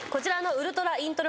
ウルトライントロ。